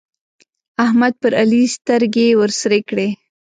احمد پر علي سترګې ورسرې کړې.